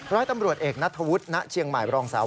ร้อยตำรวจเอกนัทธวุฒิณเชียงใหม่บรองสาว